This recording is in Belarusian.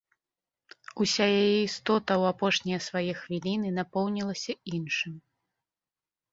Уся яе істота ў апошнія свае хвіліны напоўнілася іншым.